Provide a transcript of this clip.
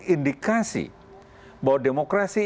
indikasi bahwa demokrasi